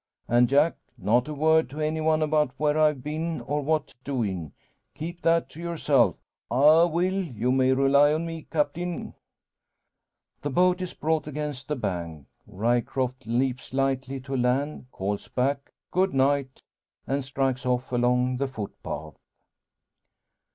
And, Jack! not a word to any one about where I've been, or what doing. Keep that to yourself." "I will you may rely on me, Captain." The boat is brought against the bank; Ryecroft leaps lightly to land, calls back "good night," and strikes off along the footpath.